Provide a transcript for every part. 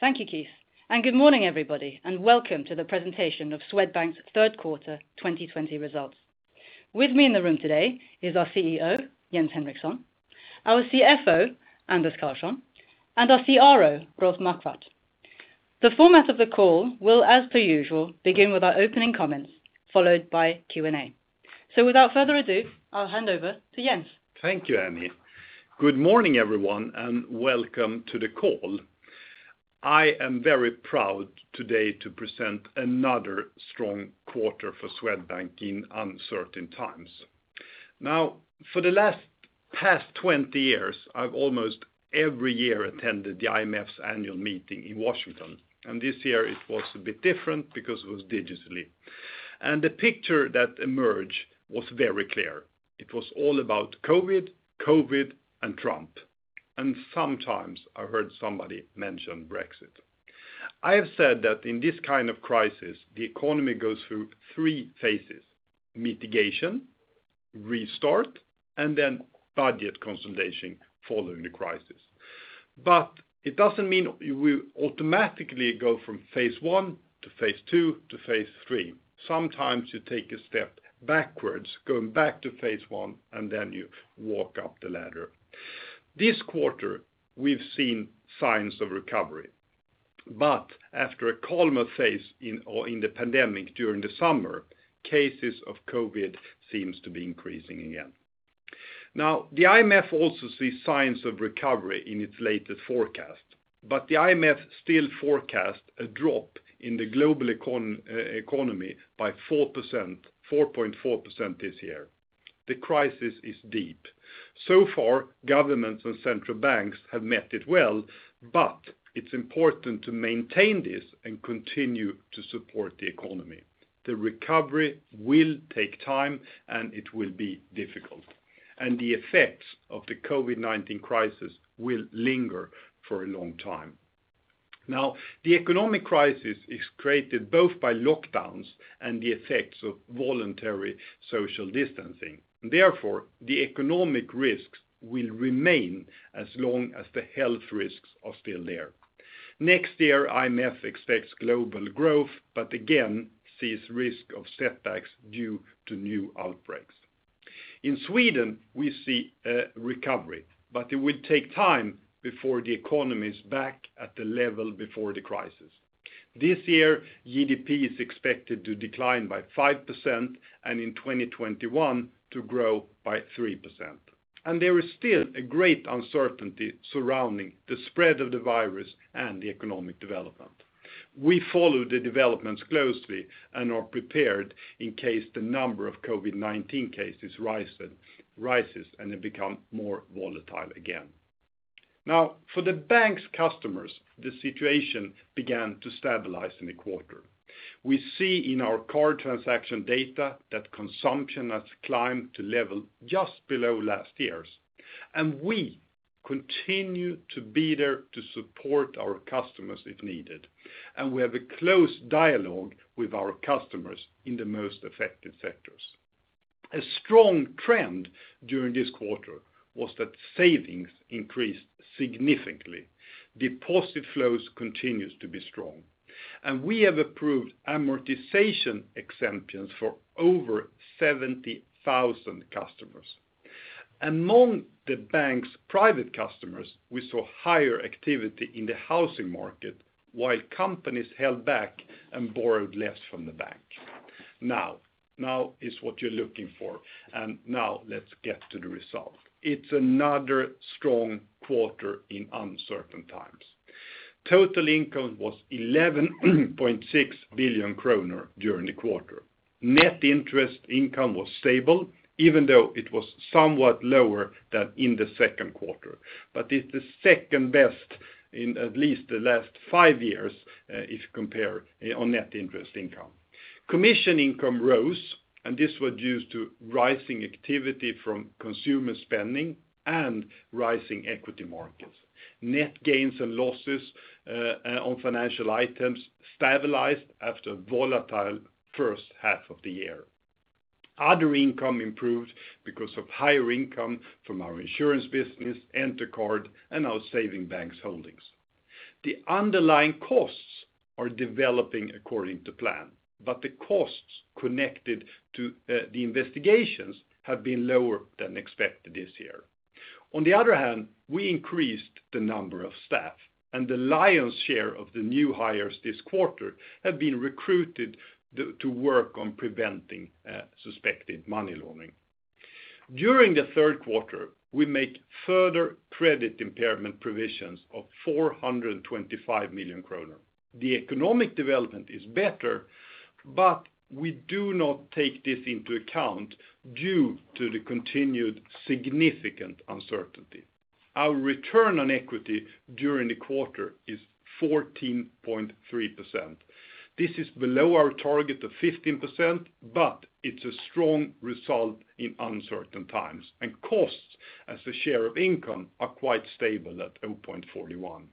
Thank you, Keith, and good morning, everybody, and welcome to the presentation of Swedbank's third quarter 2020 results. With me in the room today is our CEO, Jens Henriksson, our CFO, Anders Karlsson, and our CRO, Rolf Marquardt. The format of the call will, as per usual, begin with our opening comments, followed by Q&A. Without further ado, I'll hand over to Jens. Thank you, Annie. Good morning, everyone, and welcome to the call. I am very proud today to present another strong quarter for Swedbank in uncertain times. For the last past 20 years, I've almost every year attended the IMF's annual meeting in Washington. This year it was a bit different because it was digitally. The picture that emerged was very clear. It was all about COVID, and Trump. Sometimes I heard somebody mention Brexit. I have said that in this kind of crisis, the economy goes through three phases: mitigation, restart, and then budget consolidation following the crisis. It doesn't mean you will automatically go from phase I to phase II to phase III. Sometimes you take a step backwards, going back to phase 1, and then you walk up the ladder. This quarter, we've seen signs of recovery, but after a calmer phase in the pandemic during the summer, cases of COVID seems to be increasing again. The IMF also sees signs of recovery in its latest forecast, but the IMF still forecasts a drop in the global economy by 4.4% this year. The crisis is deep. Governments and central banks have met it well, but it's important to maintain this and continue to support the economy. The recovery will take time and it will be difficult, and the effects of the COVID-19 crisis will linger for a long time. The economic crisis is created both by lockdowns and the effects of voluntary social distancing. The economic risks will remain as long as the health risks are still there. Next year, IMF expects global growth, but again sees risk of setbacks due to new outbreaks. In Sweden, we see a recovery, but it will take time before the economy's back at the level before the crisis. This year, GDP is expected to decline by 5%, and in 2021 to grow by 3%. There is still a great uncertainty surrounding the spread of the virus and the economic development. We follow the developments closely and are prepared in case the number of COVID-19 cases rises, and it become more volatile again. Now, for the bank's customers, the situation began to stabilize in the quarter. We see in our card transaction data that consumption has climbed to level just below last year's. We continue to be there to support our customers if needed. We have a close dialogue with our customers in the most affected sectors. A strong trend during this quarter was that savings increased significantly. Deposit flows continues to be strong, and we have approved amortization exemptions for over 70,000 customers. Among the bank's private customers, we saw higher activity in the housing market while companies held back and borrowed less from the bank. Now is what you're looking for. Now let's get to the result. It's another strong quarter in uncertain times. Total income was 11.6 billion kronor during the quarter. Net interest income was stable, even though it was somewhat lower than in the second quarter. It's the second best in at least the last five years if compared on Net interest income. Commission income rose, and this was due to rising activity from consumer spending and rising equity markets. Net gains and losses on financial items stabilized after a volatile first half of the year. Other income improved because of higher income from our insurance business, Entercard, and our saving banks holdings. The costs connected to the investigations have been lower than expected this year. On the other hand, we increased the number of staff and the lion's share of the new hires this quarter have been recruited to work on preventing suspected money laundering. During the third quarter, we made further credit impairment provisions of 425 million kronor. The economic development is better, but we do not take this into account due to the continued significant uncertainty. Our return on equity during the quarter is 14.3%. This is below our target of 15%, but it's a strong result in uncertain times, and costs as a share of income are quite stable at 0.41.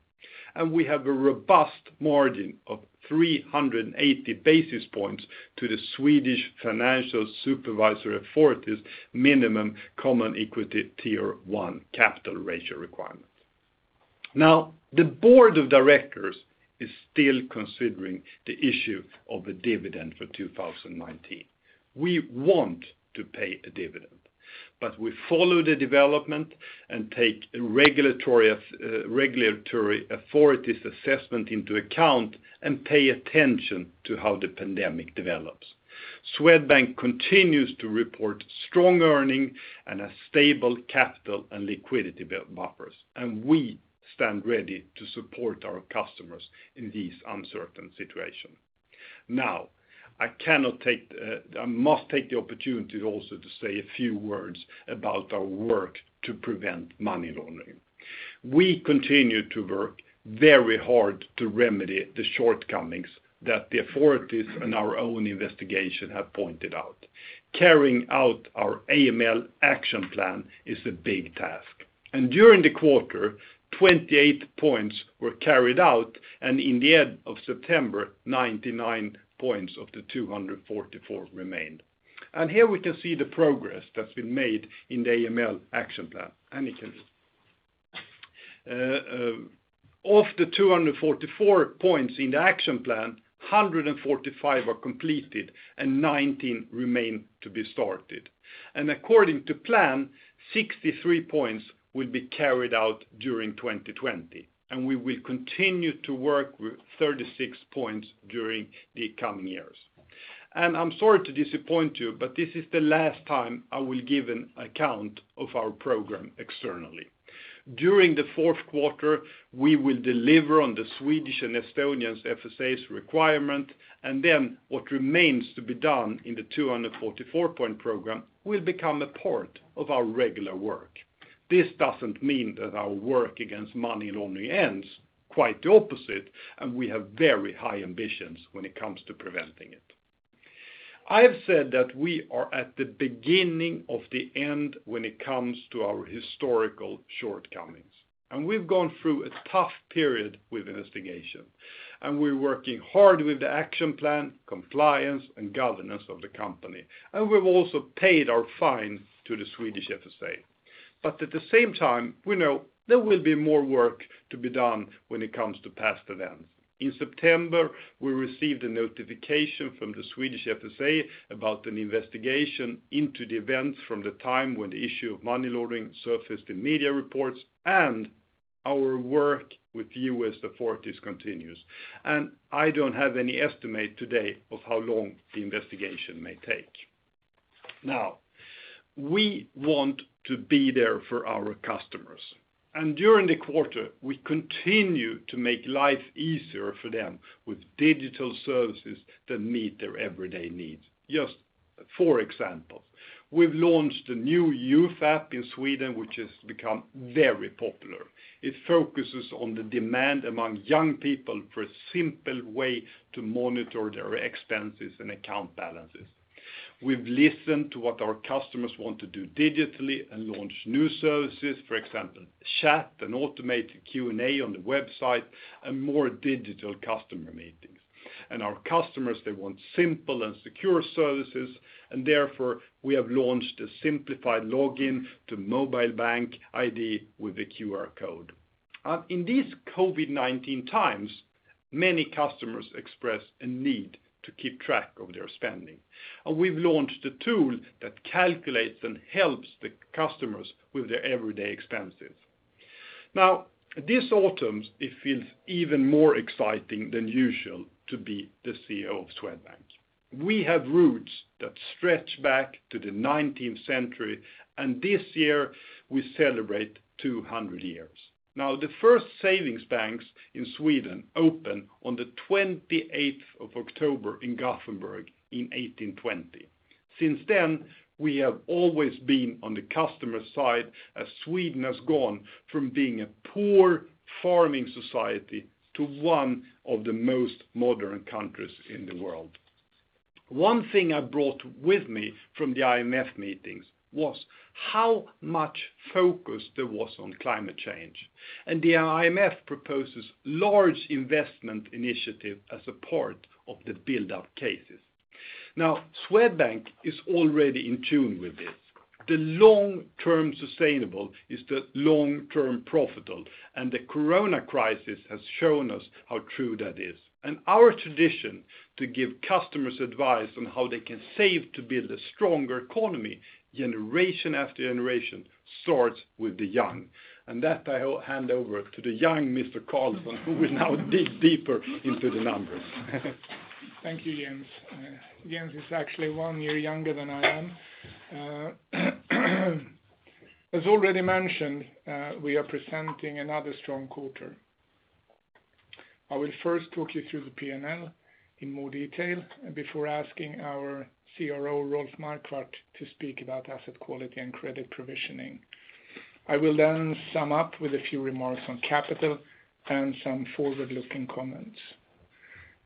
We have a robust margin of 380 basis points to the Swedish Financial Supervisory Authority's minimum common equity Tier 1 capital ratio requirement. The board of directors is still considering the issue of a dividend for 2019. We want to pay a dividend, but we follow the development and take regulatory authorities' assessment into account and pay attention to how the pandemic develops. Swedbank continues to report strong earning and a stable capital and liquidity buffers, and we stand ready to support our customers in these uncertain situation. I must take the opportunity also to say a few words about our work to prevent money laundering. We continue to work very hard to remedy the shortcomings that the authorities and our own investigation have pointed out. Carrying out our AML action plan is a big task. During the quarter, 28 points were carried out, and in the end of September, 99 points of the 244 remained. Here we can see the progress that's been made in the AML action plan. Annie? Of the 244 points in the action plan, 145 are completed and 19 remain to be started. According to plan, 63 points will be carried out during 2020, and we will continue to work with 36 points during the coming years. I'm sorry to disappoint you, but this is the last time I will give an account of our program externally. During the fourth quarter, we will deliver on the Swedish and Estonian FSAs requirement, then what remains to be done in the 244-point program will become a part of our regular work. This doesn't mean that our work against money laundering ends, quite the opposite, and we have very high ambitions when it comes to preventing it. I have said that we are at the beginning of the end when it comes to our historical shortcomings, and we've gone through a tough period with investigation. We're working hard with the action plan, compliance, and governance of the company. We've also paid our fine to the Swedish FSA. At the same time, we know there will be more work to be done when it comes to past events. In September, we received a notification from the Swedish FSA about an investigation into the events from the time when the issue of money laundering surfaced in media reports and our work with U.S. authorities continues. I don't have any estimate today of how long the investigation may take. Now, we want to be there for our customers. During the quarter, we continue to make life easier for them with digital services that meet their everyday needs. Just for example, we've launched a new youth app in Sweden, which has become very popular. It focuses on the demand among young people for a simple way to monitor their expenses and account balances. We've listened to what our customers want to do digitally and launched new services, for example, chat and automated Q&A on the website, and more digital customer meetings. Our customers, they want simple and secure services, and therefore, we have launched a simplified login to Mobile BankID with a QR code. In these COVID-19 times, many customers express a need to keep track of their spending. We've launched a tool that calculates and helps the customers with their everyday expenses. This autumn, it feels even more exciting than usual to be the CEO of Swedbank. We have roots that stretch back to the 19th century, and this year we celebrate 200 years. The first savings banks in Sweden opened on the 28th of October in Gothenburg in 1820. Since then, we have always been on the customer side as Sweden has gone from being a poor farming society to one of the most modern countries in the world. One thing I brought with me from the IMF meetings was how much focus there was on climate change, and the IMF proposes large investment initiative as a part of the buildup cases. Swedbank is already in tune with this. The long-term sustainable is the long-term profitable, and the corona crisis has shown us how true that is. Our tradition to give customers advice on how they can save to build a stronger economy, generation after generation, starts with the young. That I will hand over to the young Mr. Karlsson, who will now dig deeper into the numbers. Thank you, Jens. Jens is actually one year younger than I am. As already mentioned, we are presenting another strong quarter. I will first talk you through the P&L in more detail before asking our CRO, Rolf Marquardt, to speak about asset quality and credit provisioning. I will then sum up with a few remarks on capital and some forward-looking comments.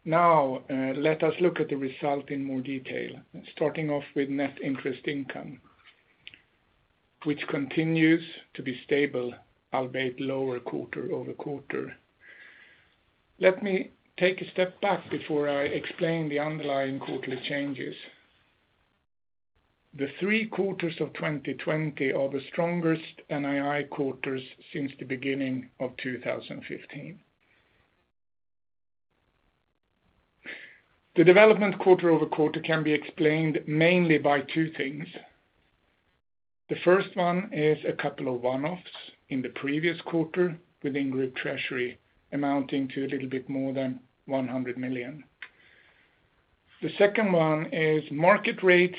Let us look at the result in more detail, starting off with net interest income, which continues to be stable, albeit lower quarter-over-quarter. Let me take a step back before I explain the underlying quarterly changes. The three quarters of 2020 are the strongest NII quarters since the beginning of 2015. The development quarter-over-quarter can be explained mainly by two things. The first one is a couple of one-offs in the previous quarter within Group Treasury amounting to a little bit more than 100 million. The second one is market rates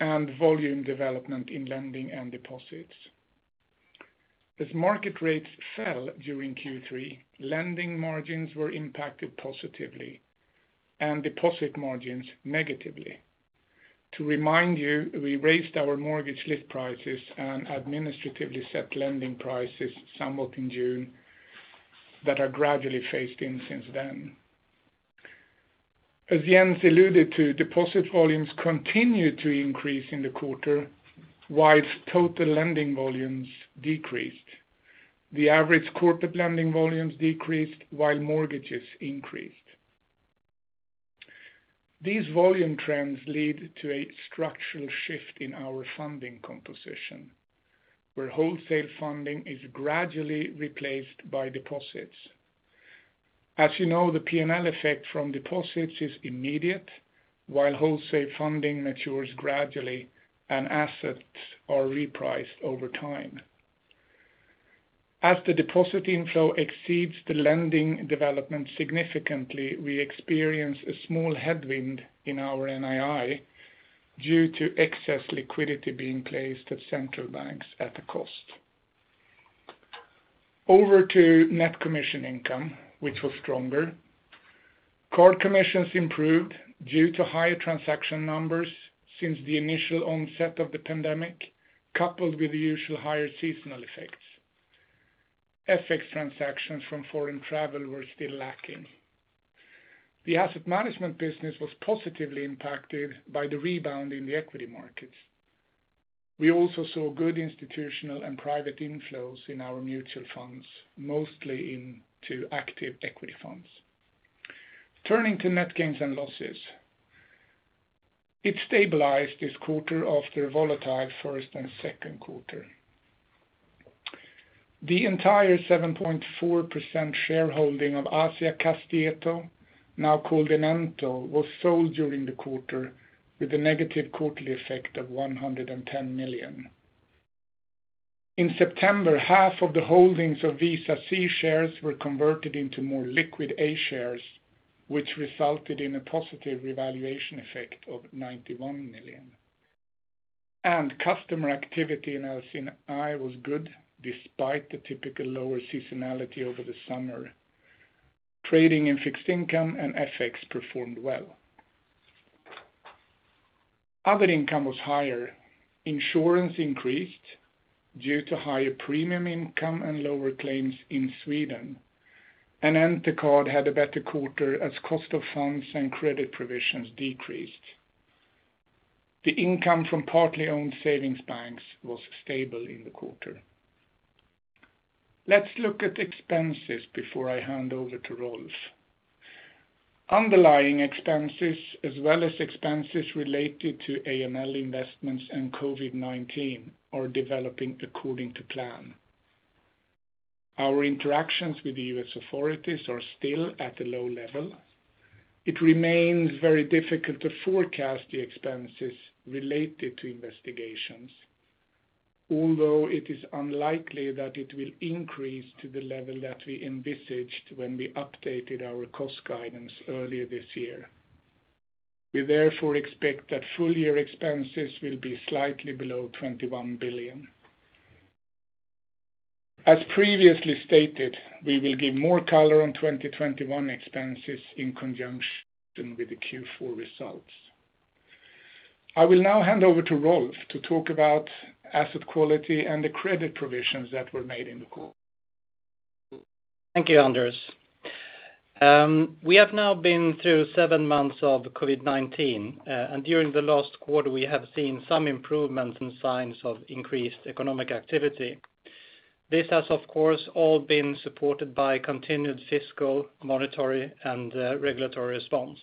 and volume development in lending and deposits. As market rates fell during Q3, lending margins were impacted positively and deposit margins negatively. To remind you, we raised our mortgage list prices and administratively set lending prices somewhat in June that are gradually phased in since then. As Jens alluded to, deposit volumes continued to increase in the quarter, while total lending volumes decreased. The average corporate lending volumes decreased while mortgages increased. These volume trends lead to a structural shift in our funding composition, where wholesale funding is gradually replaced by deposits. As you know, the P&L effect from deposits is immediate, while wholesale funding matures gradually and assets are repriced over time. As the deposit inflow exceeds the lending development significantly, we experience a small headwind in our NII due to excess liquidity being placed at central banks at a cost. Over to net commission income, which was stronger. Card commissions improved due to higher transaction numbers since the initial onset of the pandemic, coupled with the usual higher seasonal effects. FX transactions from foreign travel were still lacking. The asset management business was positively impacted by the rebound in the equity markets. We also saw good institutional and private inflows in our mutual funds, mostly into active equity funds. Turning to net gains and losses. It stabilized this quarter after a volatile first and second quarter. The entire 7.4% shareholding of Asiakastieto, now called Enento, was sold during the quarter with a negative quarterly effect of 110 million. In September, half of the holdings of Visa C shares were converted into more liquid A shares, which resulted in a positive revaluation effect of 91 million. Customer activity in LC&I was good despite the typical lower seasonality over the summer. Trading in fixed income and FX performed well. Other income was higher. Insurance increased due to higher premium income and lower claims in Sweden. Entercard had a better quarter as cost of funds and credit provisions decreased. The income from partly owned savings banks was stable in the quarter. Let's look at expenses before I hand over to Rolf. Underlying expenses as well as expenses related to AML investments and COVID-19 are developing according to plan. Our interactions with the U.S. authorities are still at a low level. It remains very difficult to forecast the expenses related to investigations, although it is unlikely that it will increase to the level that we envisaged when we updated our cost guidance earlier this year. We therefore expect that full-year expenses will be slightly below 21 billion. As previously stated, we will give more color on 2021 expenses in conjunction with the Q4 results. I will now hand over to Rolf to talk about asset quality and the credit provisions that were made in the quarter. Thank you, Anders. We have now been through seven months of COVID-19, and during the last quarter, we have seen some improvements and signs of increased economic activity. This has, of course, all been supported by continued fiscal, monetary, and regulatory response.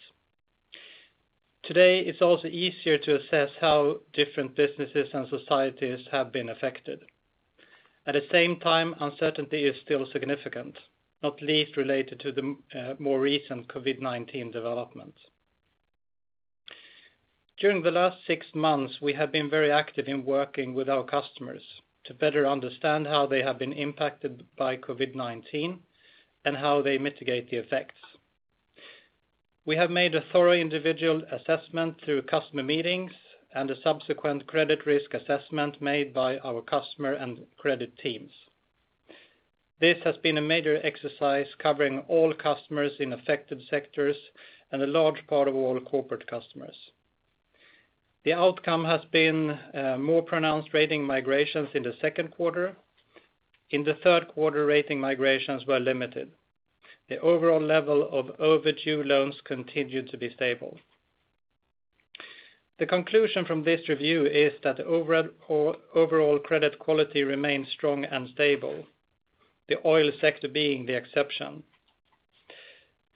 Today, it is also easier to assess how different businesses and societies have been affected. At the same time, uncertainty is still significant, not least related to the more recent COVID-19 developments. During the last six months, we have been very active in working with our customers to better understand how they have been impacted by COVID-19 and how they mitigate the effects. We have made a thorough individual assessment through customer meetings and a subsequent credit risk assessment made by our customer and credit teams. This has been a major exercise covering all customers in affected sectors and a large part of all corporate customers. The outcome has been more pronounced rating migrations in the second quarter. In the third quarter, rating migrations were limited. The overall level of overdue loans continued to be stable. The conclusion from this review is that the overall credit quality remains strong and stable, the oil sector being the exception.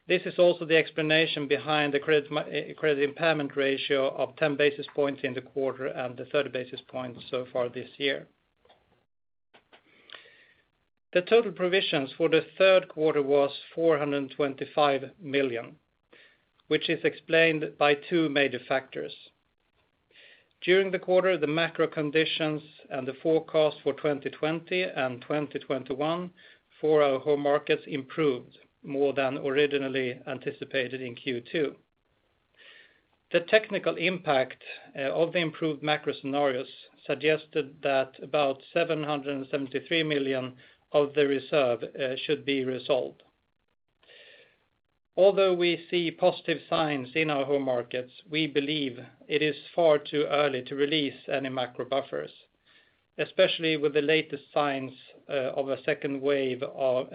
This is also the explanation behind the credit impairment ratio of 10 basis points in the quarter and the 30 basis points so far this year. The total provisions for the third quarter was 425 million, which is explained by two major factors. During the quarter, the macro conditions and the forecast for 2020 and 2021 for our home markets improved more than originally anticipated in Q2. The technical impact of the improved macro scenarios suggested that about 773 million of the reserve should be resolved. Although we see positive signs in our home markets, we believe it is far too early to release any macro buffers, especially with the latest signs of a second wave of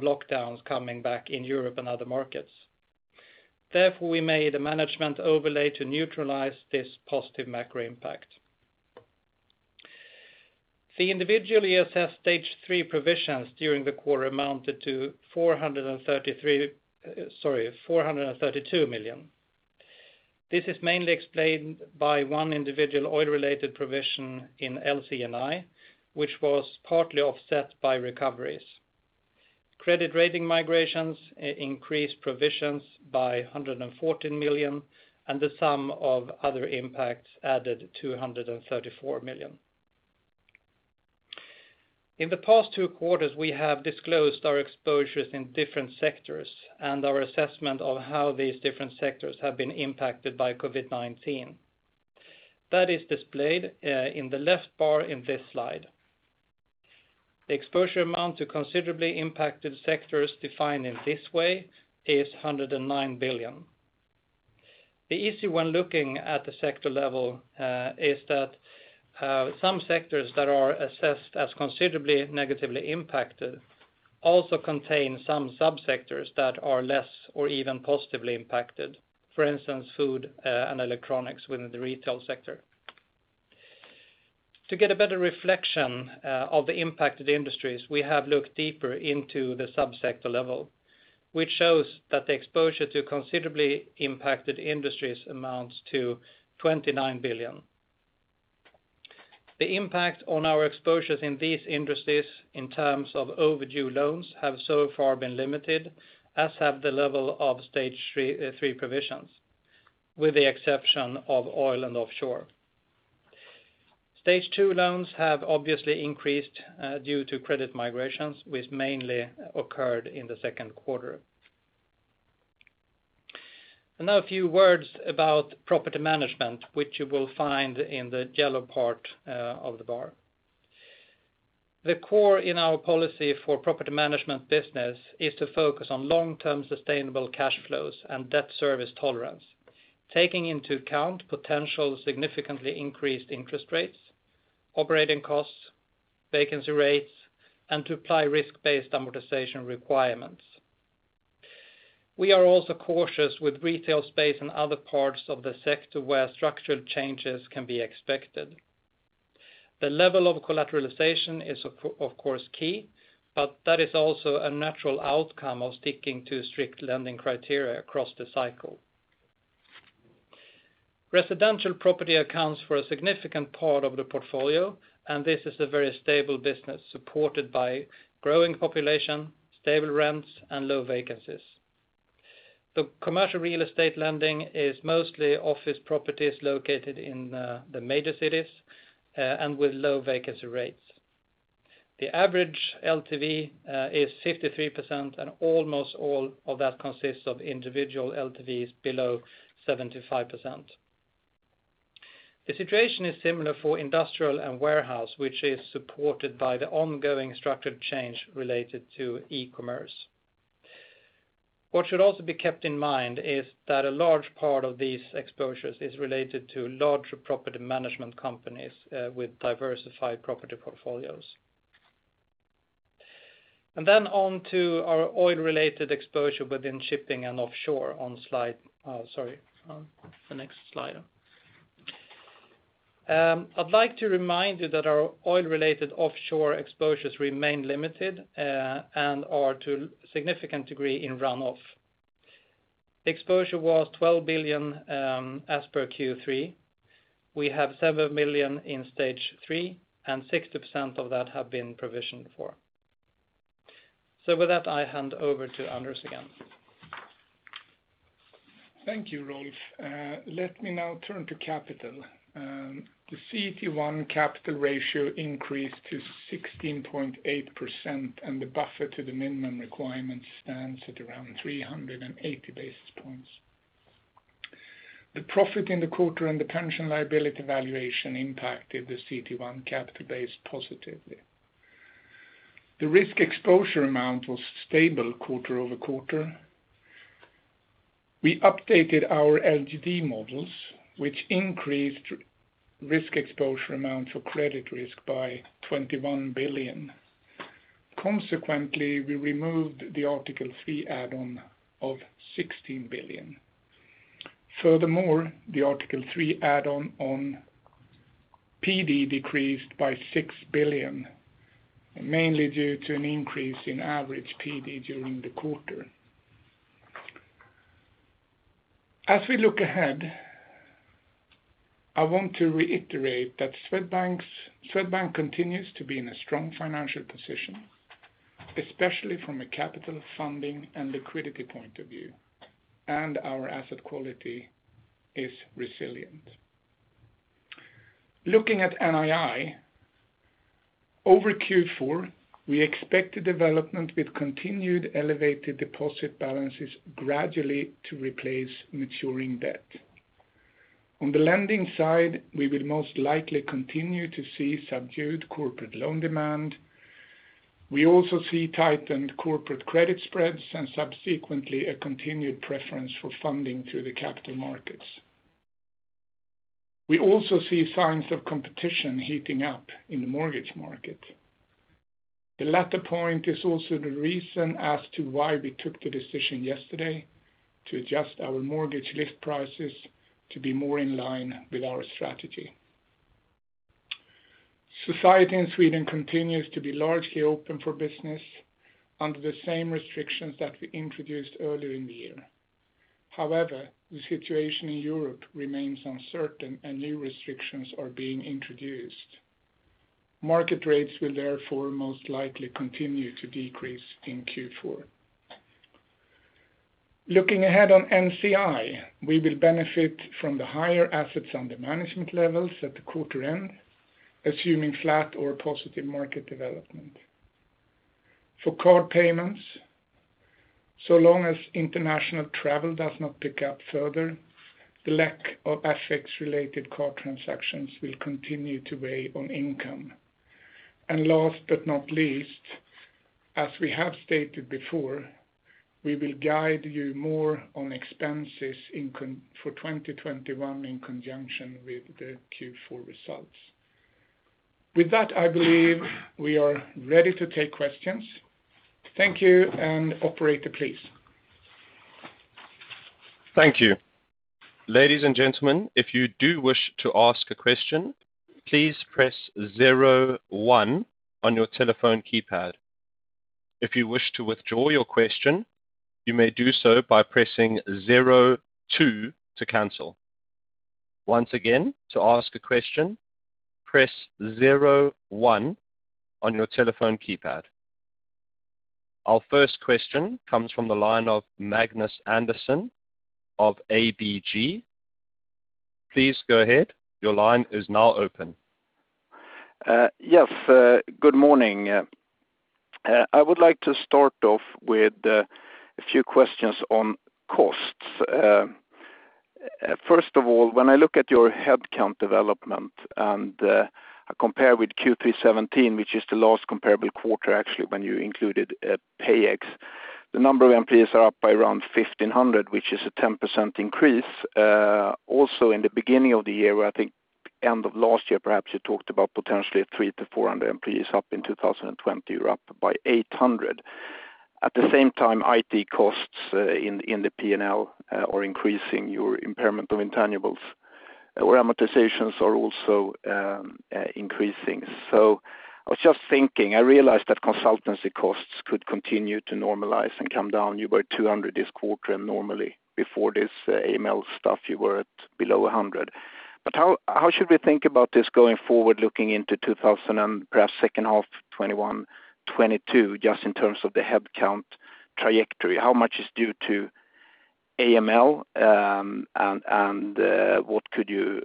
lockdowns coming back in Europe and other markets. Therefore, we made a management overlay to neutralize this positive macro impact. The individual ESS Stage 3 provisions during the quarter amounted to 432 million. This is mainly explained by one individual oil-related provision in LC&I, which was partly offset by recoveries. Credit rating migrations increased provisions by 114 million, and the sum of other impacts added 234 million. In the past two quarters, we have disclosed our exposures in different sectors and our assessment of how these different sectors have been impacted by COVID-19. That is displayed in the left bar in this slide. The exposure amount to considerably impacted sectors defined in this way is 109 billion. The issue when looking at the sector level is that some sectors that are assessed as considerably negatively impacted also contain some sub-sectors that are less or even positively impacted. For instance, food and electronics within the retail sector. To get a better reflection of the impacted industries, we have looked deeper into the sub-sector level, which shows that the exposure to considerably impacted industries amounts to 29 billion. The impact on our exposures in these industries in terms of overdue loans have so far been limited, as have the level of Stage 3 provisions, with the exception of oil and offshore. Stage 2 loans have obviously increased due to credit migrations, which mainly occurred in the second quarter. Now a few words about property management, which you will find in the yellow part of the bar. The core in our policy for property management business is to focus on long-term sustainable cash flows and debt service tolerance, taking into account potential significantly increased interest rates, operating costs, vacancy rates, and to apply risk-based amortization requirements. We are also cautious with retail space and other parts of the sector where structural changes can be expected. The level of collateralization is of course key. That is also a natural outcome of sticking to strict lending criteria across the cycle. Residential property accounts for a significant part of the portfolio. This is a very stable business supported by growing population, stable rents, and low vacancies. The commercial real estate lending is mostly office properties located in the major cities and with low vacancy rates. The average LTV is 53%. Almost all of that consists of individual LTVs below 75%. The situation is similar for industrial and warehouse, which is supported by the ongoing structured change related to e-commerce. What should also be kept in mind is that a large part of these exposures is related to larger property management companies with diversified property portfolios. Then on to our oil-related exposure within shipping and offshore on the next slide. I'd like to remind you that our oil-related offshore exposures remain limited and are to a significant degree in run-off. Exposure was 12 billion as per Q3. We have 7 billion in Stage 3 and 60% of that have been provisioned for. With that, I hand over to Anders again. Thank you, Rolf. Let me now turn to capital. The CET1 capital ratio increased to 16.8%, and the buffer to the minimum requirements stands at around 380 basis points. The profit in the quarter and the pension liability valuation impacted the CET1 capital base positively. The risk exposure amount was stable quarter-over-quarter. We updated our LGD models, which increased risk exposure amount for credit risk by 21 billion. Consequently, we removed the Article 3 add-on of 16 billion. Furthermore, the Article 3 add-on on-PD decreased by 6 billion, mainly due to an increase in average PD during the quarter. As we look ahead, I want to reiterate that Swedbank continues to be in a strong financial position, especially from a capital funding and liquidity point of view, and our asset quality is resilient. Looking at NII, over Q4, we expect development with continued elevated deposit balances gradually to replace maturing debt. On the lending side, we will most likely continue to see subdued corporate loan demand. We also see tightened corporate credit spreads and subsequently a continued preference for funding through the capital markets. We also see signs of competition heating up in the mortgage market. The latter point is also the reason as to why we took the decision yesterday to adjust our mortgage list prices to be more in line with our strategy. Society in Sweden continues to be largely open for business under the same restrictions that we introduced earlier in the year. The situation in Europe remains uncertain and new restrictions are being introduced. Market rates will therefore most likely continue to decrease in Q4. Looking ahead on NCI, we will benefit from the higher assets under management levels at the quarter end, assuming flat or positive market development. For card payments, so long as international travel does not pick up further, the lack of FX-related card transactions will continue to weigh on income. Last but not least, as we have stated before, we will guide you more on expenses for 2021 in conjunction with the Q4 results. With that, I believe we are ready to take questions. Thank you, and operator, please. Thank you. Ladies and gentlemen, if you do wish to ask a question, please press zero one on your telephone keypad. If you wish to withdraw your question, you may do so by pressing zero two to cancel. Once again, to ask a question, press zero one on your telephone keypad. Our first question comes from the line of Magnus Andersson of ABG. Please go ahead. Your line is now open. Yes, good morning. I would like to start off with a few questions on costs. First of all, when I look at your headcount development and compare with Q3 2017, which is the last comparable quarter, actually, when you included PayEx, the number of employees are up by around 1,500, which is a 10% increase. In the beginning of the year, where I think end of last year, perhaps you talked about potentially 300-400 employees up in 2020. You're up by 800. At the same time, IT costs in the P&L are increasing your impairment of intangibles, where amortizations are also increasing. I was just thinking, I realized that consultancy costs could continue to normalize and come down. You were 200 this quarter, and normally before this AML stuff, you were at below 100. How should we think about this going forward looking into perhaps second half 2021, 2022, just in terms of the headcount trajectory? How much is due to AML, and what could you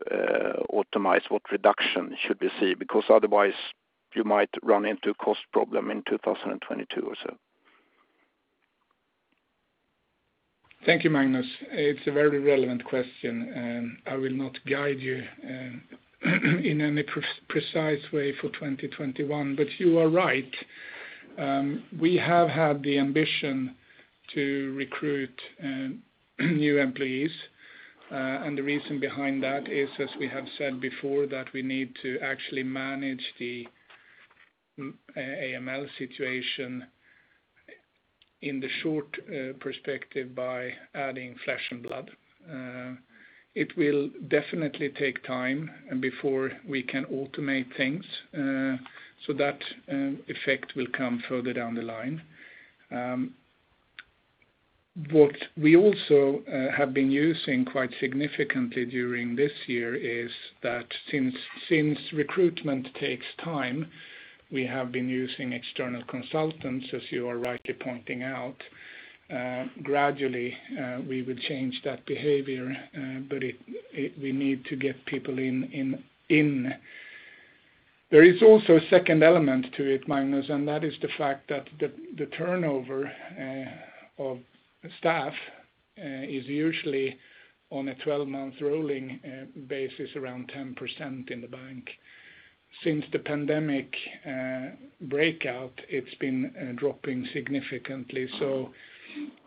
optimize? What reduction should we see? Otherwise you might run into a cost problem in 2022 or so. Thank you, Magnus. It's a very relevant question, and I will not guide you in any precise way for 2021. You are right. We have had the ambition to recruit new employees. The reason behind that is, as we have said before, that we need to actually manage the AML situation in the short perspective by adding flesh and blood. It will definitely take time before we can automate things. That effect will come further down the line. What we also have been using quite significantly during this year is that since recruitment takes time, we have been using external consultants, as you are rightly pointing out. Gradually, we will change that behavior, but we need to get people in. There is also a second element to it, Magnus, and that is the fact that the turnover of staff is usually on a 12-month rolling basis, around 10% in the bank. Since the pandemic breakout, it's been dropping significantly.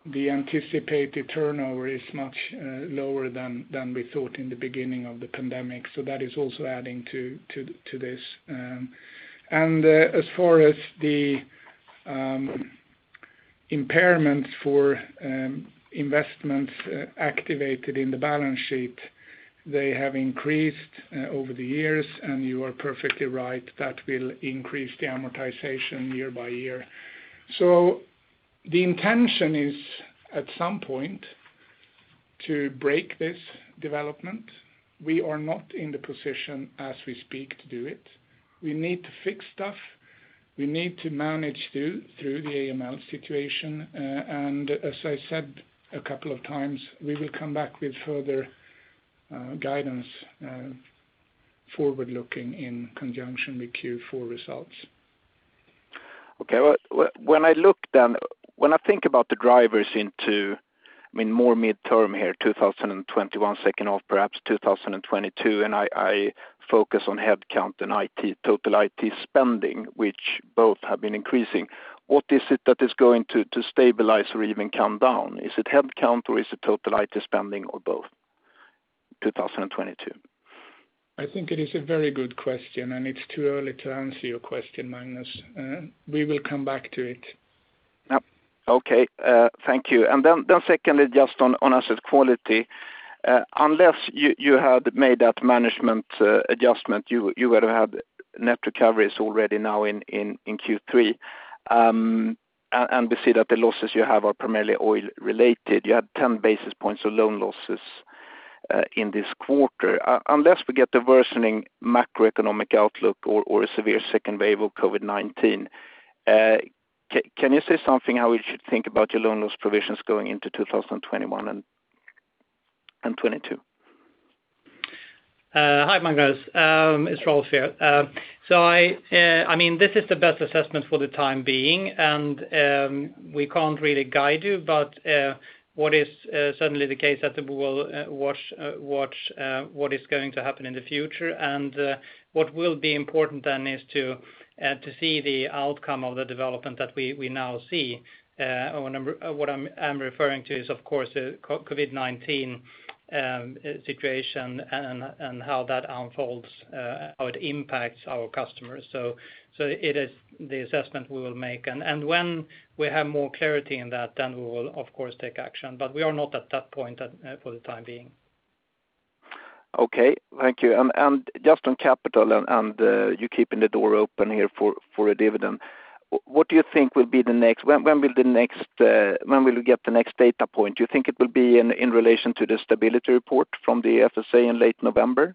The anticipated turnover is much lower than we thought in the beginning of the pandemic. That is also adding to this. As far as impairments for investments activated in the balance sheet, they have increased over the years, and you are perfectly right, that will increase the amortization year by year. The intention is at some point to break this development. We are not in the position as we speak to do it. We need to fix stuff, we need to manage through the AML situation, and as I said a couple of times, we will come back with further guidance forward-looking in conjunction with Q4 results. Okay. When I think about the drivers into more mid-term here, 2021, second half perhaps 2022, I focus on headcount and total IT spending, which both have been increasing. What is it that is going to stabilize or even come down? Is it headcount or is it total IT spending or both? 2022. I think it is a very good question, and it's too early to answer your question, Magnus. We will come back to it. Okay. Thank you. Secondly, just on asset quality. Unless you had made that management adjustment, you would have had net recoveries already now in Q3. We see that the losses you have are primarily oil related. You had 10 basis points of loan losses in this quarter. Unless we get a worsening macroeconomic outlook or a severe second wave of COVID-19, can you say something how we should think about your loan loss provisions going into 2021 and 2022? Hi, Magnus. It's Rolf here. This is the best assessment for the time being, and we can't really guide you. What is certainly the case that we will watch what is going to happen in the future and what will be important then is to see the outcome of the development that we now see. What I'm referring to is, of course, COVID-19 situation and how that unfolds, how it impacts our customers. It is the assessment we will make, and when we have more clarity in that, then we will of course take action. We are not at that point for the time being. Okay. Thank you. Just on capital and you keeping the door open here for a dividend. When will we get the next data point? Do you think it will be in relation to the stability report from the FSA in late November?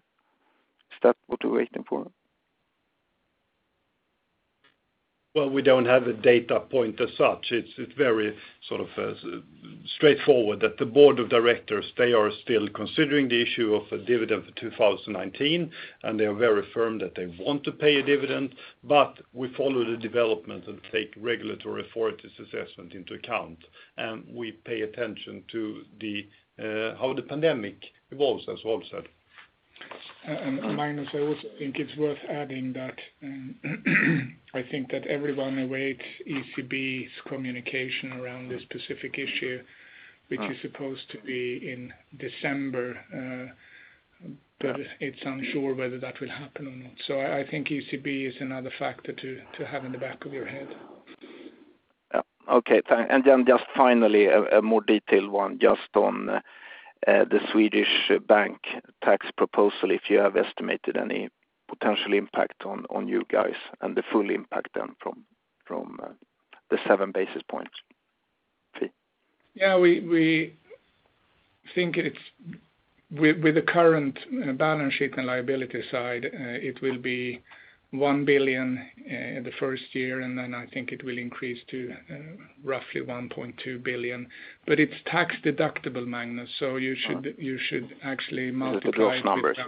Is that what we're waiting for? Well, we don't have a data point as such. It's very straightforward that the board of directors, they are still considering the issue of a dividend for 2019, and they are very firm that they want to pay a dividend. We follow the development and take regulatory authorities' assessment into account, and we pay attention to how the pandemic evolves, as Rolf said. Magnus, I also think it's worth adding that I think that everyone awaits ECB's communication around this specific issue, which is supposed to be in December. It's unsure whether that will happen or not. I think ECB is another factor to have in the back of your head. Okay, thanks. Just finally, a more detailed one just on the Swedish bank tax proposal, if you have estimated any potential impact on you guys and the full impact then from the seven basis points fee. Yeah, we think with the current balance sheet and liability side it will be 1 billion in the first year, and then I think it will increase to roughly 1.2 billion. It's tax deductible, Magnus, so you should actually multiply. Is it the gross numbers?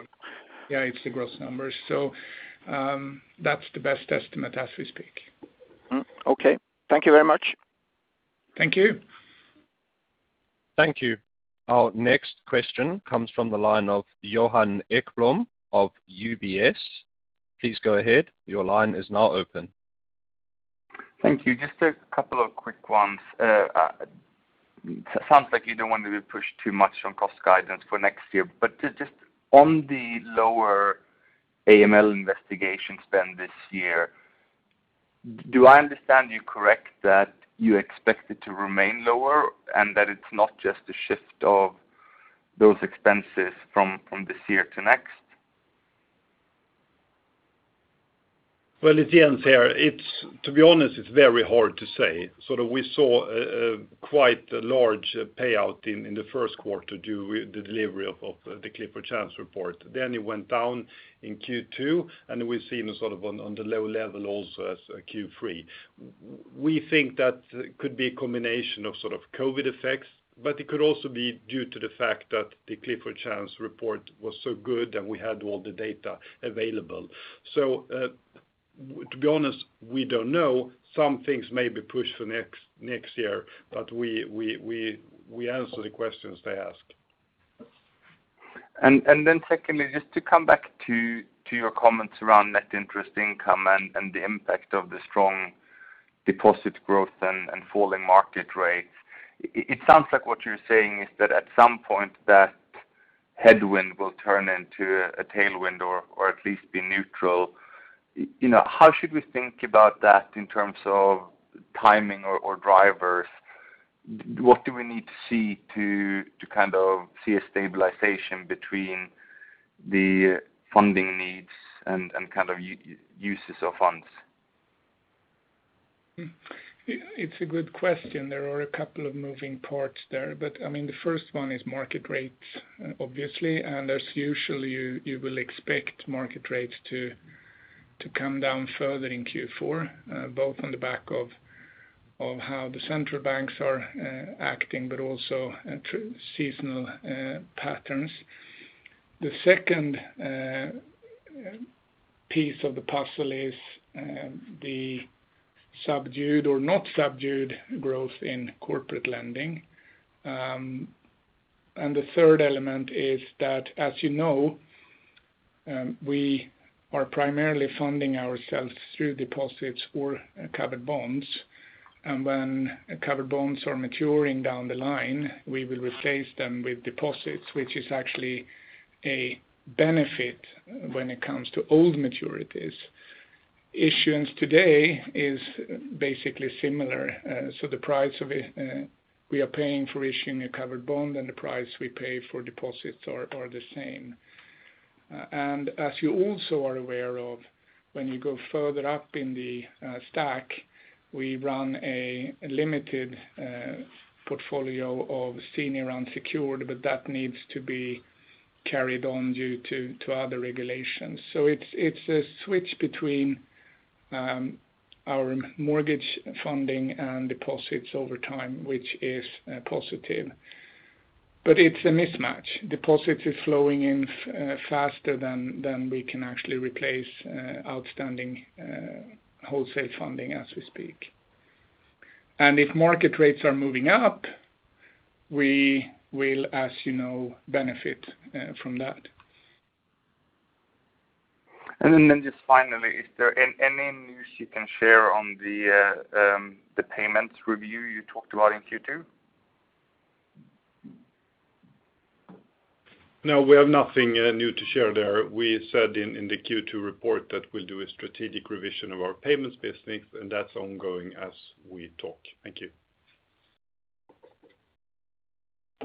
Yeah, it's the gross numbers. That's the best estimate as we speak. Okay. Thank you very much. Thank you. Thank you. Our next question comes from the line of Johan Ekblom of UBS. Please go ahead. Thank you. Just a couple of quick ones. Sounds like you don't want to be pushed too much on cost guidance for next year. But just on the lower AML investigation spend this year, do I understand you correct that you expect it to remain lower and that it's not just a shift of those expenses from this year to next? Well, it's Jens here. To be honest, it's very hard to say. We saw quite a large payout in the first quarter due the delivery of the Clifford Chance report. It went down in Q2, and we've seen on the low level also as Q3. We think that could be a combination of COVID effects, it could also be due to the fact that the Clifford Chance report was so good, and we had all the data available. To be honest, we don't know. Some things may be pushed for next year, we answer the questions they ask. Secondly, just to come back to your comments around net interest income and the impact of the strong deposit growth and falling market rates. It sounds like what you're saying is that at some point that headwind will turn into a tailwind or at least be neutral. How should we think about that in terms of timing or drivers? What do we need to see to see a stabilization between the funding needs and uses of funds? It's a good question. There are a couple of moving parts there. The first one is market rates, obviously, and as usual, you will expect market rates to come down further in Q4, both on the back of how the central banks are acting, but also seasonal patterns. The second piece of the puzzle is the subdued or not subdued growth in corporate lending. The third element is that, as you know, we are primarily funding ourselves through deposits or covered bonds. When covered bonds are maturing down the line, we will replace them with deposits, which is actually a benefit when it comes to old maturities. Issuance today is basically similar. The price we are paying for issuing a covered bond and the price we pay for deposits are the same. As you also are aware of, when you go further up in the stack, we run a limited portfolio of senior unsecured, but that needs to be carried on due to other regulations. It's a switch between our mortgage funding and deposits over time, which is positive. It's a mismatch. Deposits is flowing in faster than we can actually replace outstanding wholesale funding as we speak. If market rates are moving up, we will, as you know, benefit from that. Just finally, is there any news you can share on the payments review you talked about in Q2? No, we have nothing new to share there. We said in the Q2 report that we'll do a strategic revision of our payments business, and that's ongoing as we talk. Thank you.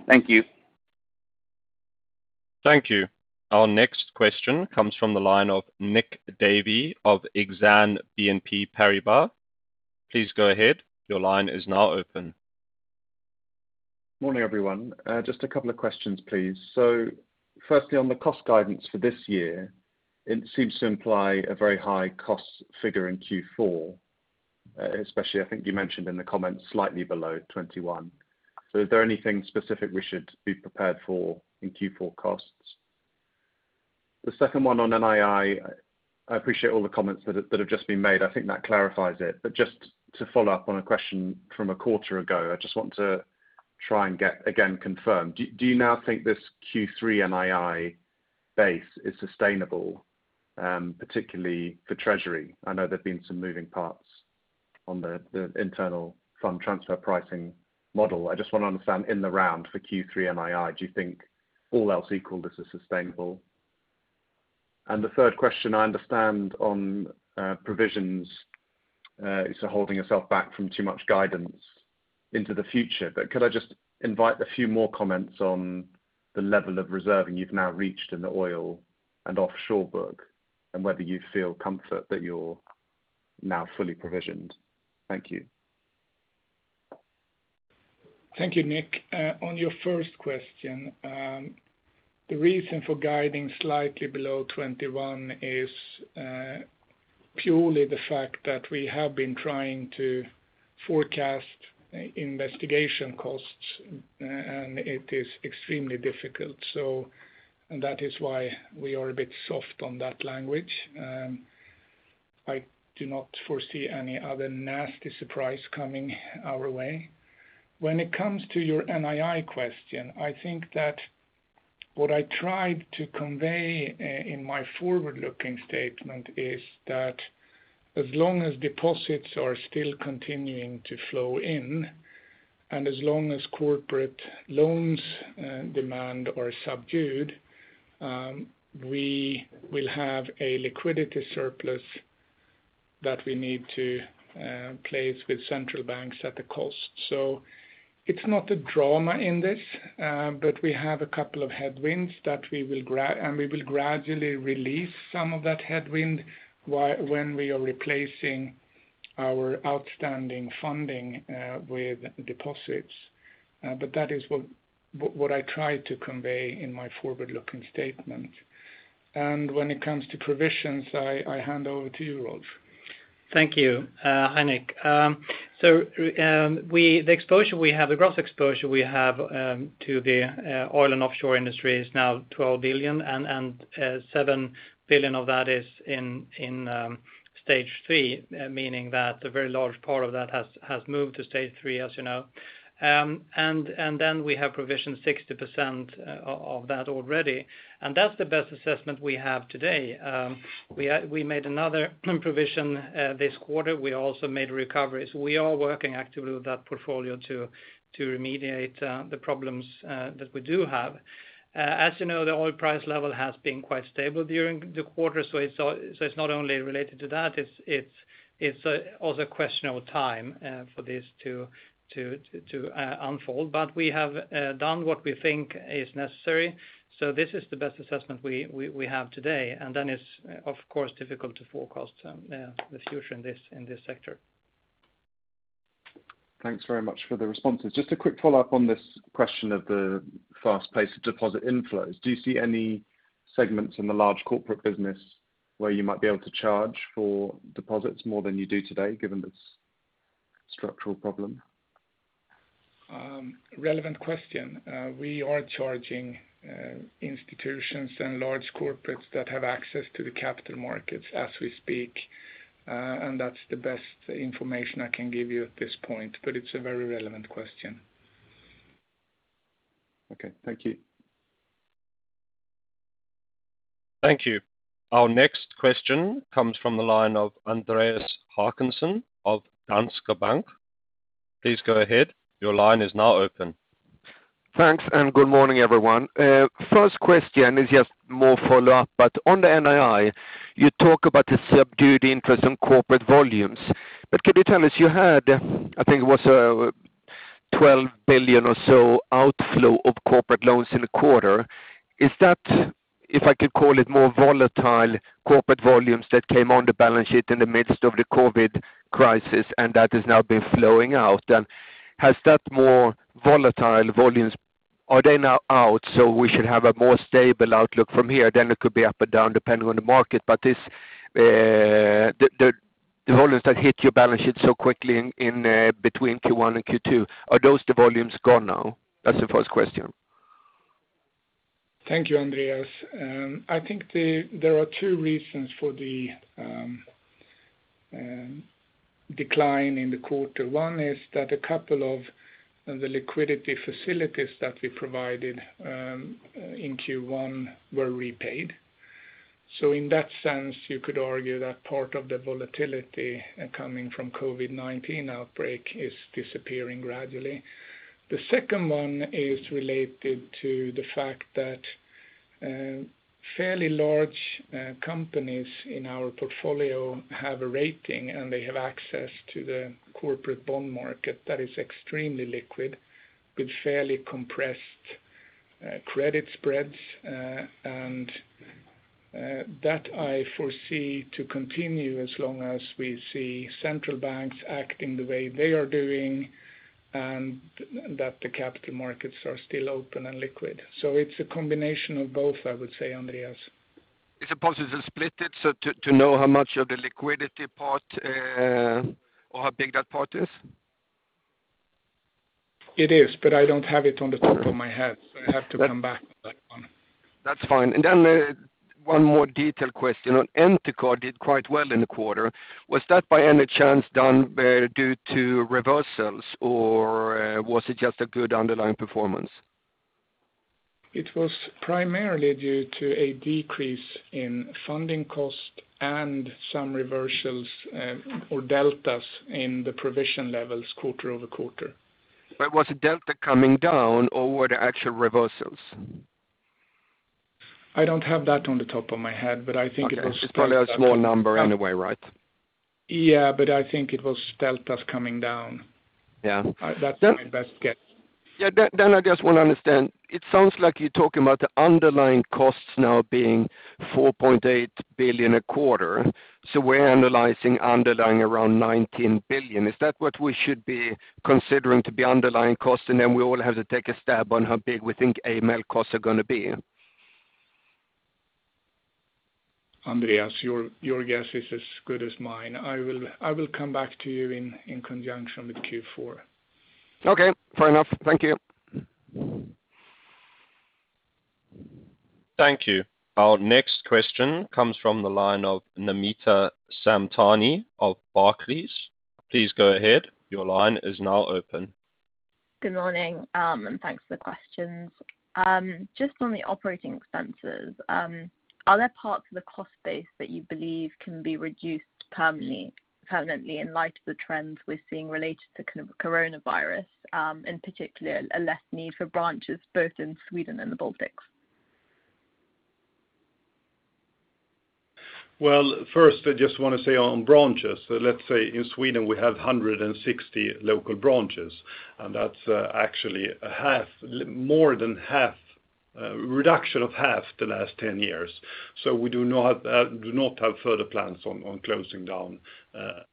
Thank you. Thank you. Our next question comes from the line of Nick Davey of Exane BNP Paribas. Please go ahead. Your line is now open. Morning, everyone. Just a couple of questions, please. Firstly, on the cost guidance for this year, it seems to imply a very high cost figure in Q4, especially, I think you mentioned in the comments slightly below 21. Is there anything specific we should be prepared for in Q4 costs? The second one on NII, I appreciate all the comments that have just been made. I think that clarifies it, just to follow up on a question from a quarter ago, I just want to try and get again confirmed. Do you now think this Q3 NII base is sustainable, particularly for Treasury? I know there have been some moving parts on the internal fund transfer pricing model. I just want to understand in the round for Q3 NII, do you think all else equal, this is sustainable? The third question I understand on provisions is holding yourself back from too much guidance into the future. Could I just invite a few more comments on the level of reserving you've now reached in the oil and offshore book, and whether you feel comfort that you're now fully provisioned. Thank you. Thank you, Nick. On your first question, the reason for guiding slightly below 21 is purely the fact that we have been trying to forecast investigation costs, and it is extremely difficult. That is why we are a bit soft on that language. I do not foresee any other nasty surprise coming our way. When it comes to your NII question, I think that what I tried to convey in my forward-looking statement is that as long as deposits are still continuing to flow in, and as long as corporate loans demand are subdued, we will have a liquidity surplus that we need to place with central banks at a cost. It's not a drama in this, but we have a couple of headwinds, and we will gradually release some of that headwind when we are replacing our outstanding funding with deposits. That is what I tried to convey in my forward-looking statement. When it comes to provisions, I hand over to you, Rolf. Thank you. Hi, Nick. The gross exposure we have to the oil and offshore industry is now 12 billion, and 7 billion of that is in stage 3, meaning that a very large part of that has moved to stage 3, as you know. We have provisioned 60% of that already. That's the best assessment we have today. We made another provision this quarter. We also made recoveries. We are working actively with that portfolio to remediate the problems that we do have. As you know, the oil price level has been quite stable during the quarter, so it's not only related to that, it's also a question of time for this to unfold. We have done what we think is necessary, so this is the best assessment we have today, and then it's of course difficult to forecast the future in this sector. Thanks very much for the responses. Just a quick follow-up on this question of the fast pace of deposit inflows. Do you see any segments in the large corporate business where you might be able to charge for deposits more than you do today, given this structural problem? Relevant question. We are charging institutions and large corporates that have access to the capital markets as we speak, and that's the best information I can give you at this point, but it's a very relevant question. Okay, thank you. Thank you. Our next question comes from the line of Andreas Håkansson of Danske Bank. Thanks, good morning, everyone. First question is just more follow-up, on the NII, you talk about the subdued interest on corporate volumes. Could you tell us, you had, I think it was 12 billion or so outflow of corporate loans in the quarter. Is that, if I could call it more volatile corporate volumes that came on the balance sheet in the midst of the COVID-19 crisis and that has now been flowing out? Has that more volatile volumes, are they now out, we should have a more stable outlook from here? It could be up and down depending on the market. The volumes that hit your balance sheet so quickly in between Q1 and Q2, are those the volumes gone now? That's the first question. Thank you, Andreas. I think there are two reasons for the decline in the quarter. One is that a couple of the liquidity facilities that we provided in Q1 were repaid. In that sense, you could argue that part of the volatility coming from COVID-19 outbreak is disappearing gradually. The second one is related to the fact that fairly large companies in our portfolio have a rating, and they have access to the corporate bond market that is extremely liquid with fairly compressed credit spreads, and that I foresee to continue as long as we see central banks acting the way they are doing, and that the capital markets are still open and liquid. It's a combination of both, I would say, Andreas. Is it possible to split it so to know how much of the liquidity part or how big that part is? It is, but I don't have it on the top of my head, so I have to come back on that one. That's fine. One more detailed question. Entercard did quite well in the quarter. Was that by any chance done due to reversals, or was it just a good underlying performance? It was primarily due to a decrease in funding cost and some reversals or deltas in the provision levels quarter-over-quarter. Was the delta coming down or were they actual reversals? I don't have that on the top of my head. Okay. It's probably a small number anyway, right? Yeah, I think it was deltas coming down. Yeah. That's my best guess. Yeah. I just want to understand, it sounds like you're talking about the underlying costs now being 4.8 billion a quarter. We're analyzing underlying around 19 billion. Is that what we should be considering to be underlying cost? We all have to take a stab on how big we think AML costs are going to be. Andreas, your guess is as good as mine. I will come back to you in conjunction with Q4. Okay, fair enough. Thank you. Thank you. Our next question comes from the line of Namita Samtani of Barclays. Please go ahead. Good morning. Thanks for the questions. Just on the operating expenses, are there parts of the cost base that you believe can be reduced permanently in light of the trends we're seeing related to coronavirus, in particular, a less need for branches both in Sweden and the Baltics? Well, first, I just want to say on branches, let's say in Sweden, we have 160 local branches. That's actually a reduction of half the last 10 years. We do not have further plans on closing down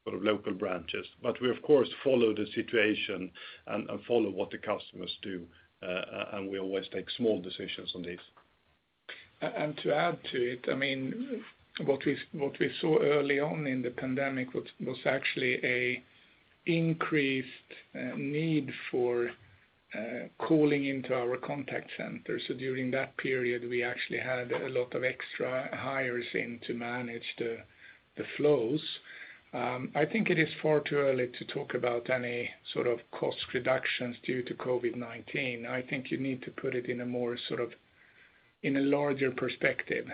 local branches. We of course follow the situation and follow what the customers do, and we always take small decisions on this. To add to it, what we saw early on in the pandemic was actually an increased need for calling into our contact center. During that period, we actually had a lot of extra hires in to manage the flows. I think it is far too early to talk about any sort of cost reductions due to COVID-19. I think you need to put it in a larger perspective.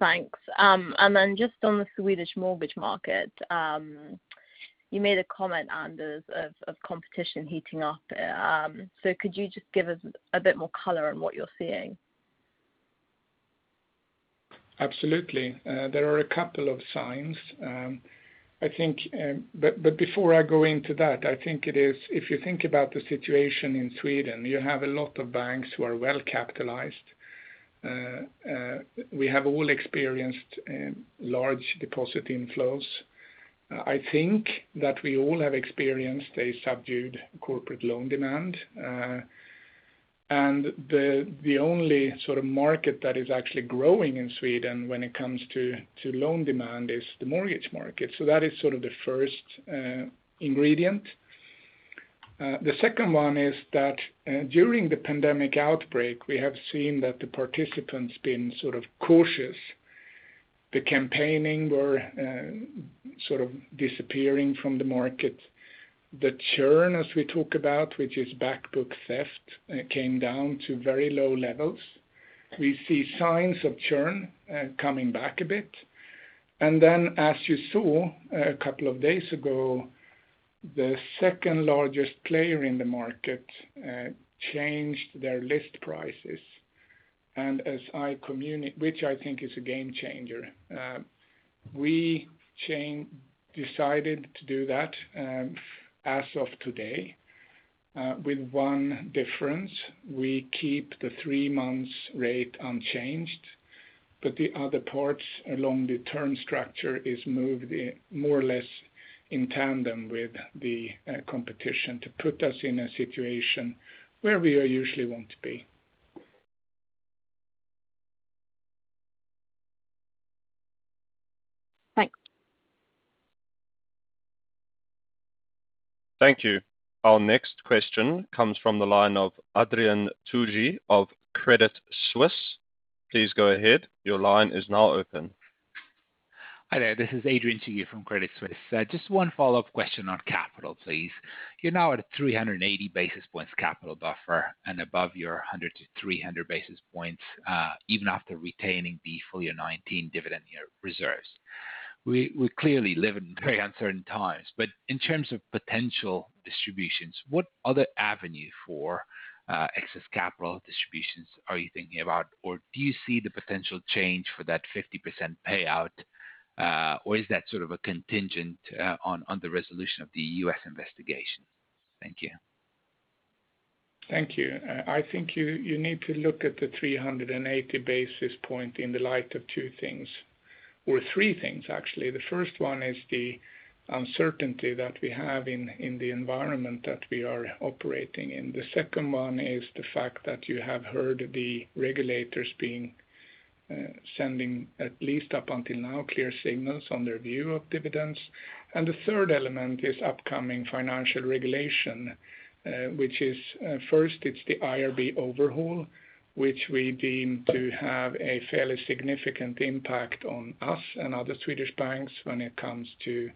Thanks. Then just on the Swedish mortgage market. You made a comment, Anders, of competition heating up. Could you just give us a bit more color on what you're seeing? Absolutely. There are a couple of signs. Before I go into that, if you think about the situation in Sweden, you have a lot of banks who are well-capitalized. We have all experienced large deposit inflows. I think that we all have experienced a subdued corporate loan demand. The only market that is actually growing in Sweden when it comes to loan demand is the mortgage market. That is the first ingredient. The second one is that during the pandemic outbreak, we have seen that the participants been cautious. The campaigning were sort of disappearing from the market. The churn, as we talk about, which is back book theft, came down to very low levels. We see signs of churn coming back a bit. As you saw a couple of days ago, the second-largest player in the market changed their list prices, which I think is a game changer. We decided to do that as of today with one difference. We keep the three months rate unchanged, but the other parts along the term structure is moved more or less in tandem with the competition to put us in a situation where we usually want to be. Thanks. Thank you. Our next question comes from the line of Adrian [Túzy] of Credit Suisse. Please go ahead. Your line is now open. Hi there. This is Adrian [Túzy] from Credit Suisse. Just one follow-up question on capital, please. You're now at a 380 basis points capital buffer and above your 100 to 300 basis points, even after retaining the full-year 2019 dividend year reserves. We clearly live in very uncertain times, but in terms of potential distributions, what other avenue for excess capital distributions are you thinking about? Do you see the potential change for that 50% payout? Is that sort of a contingent on the resolution of the U.S. investigation? Thank you. Thank you. I think you need to look at the 380 basis points in the light of two things or three things, actually. The first one is the uncertainty that we have in the environment that we are operating in. The second is the fact that you have heard the regulators sending, at least up until now, clear signals on their view of dividends. The third element is upcoming financial regulation, which is first, it's the IRB overhaul, which we deem to have a fairly significant impact on us and other Swedish banks when it comes to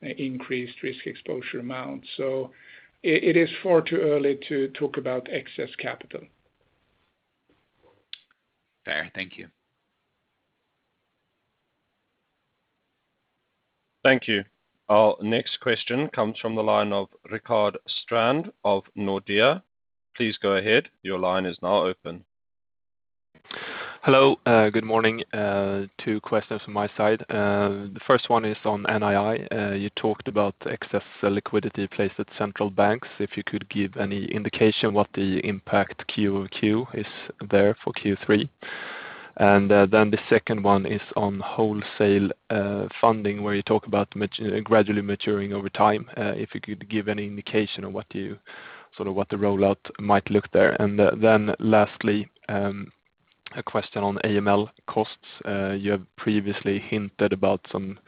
increased risk exposure amounts. It is far too early to talk about excess capital. Fair. Thank you. Thank you. Our next question comes from the line of Rickard Strand of Nordea. Please go ahead. Your line is now open. Hello. Good morning. Two questions from my side. The first one is on NII. You talked about excess liquidity placed at central banks. If you could give any indication what the impact quarter-over-quarter is there for Q3. The second one is on wholesale funding, where you talk about gradually maturing over time. If you could give any indication on what the rollout might look there. Lastly, a question on AML costs. You have previously hinted about some